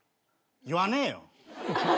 言わねえよ。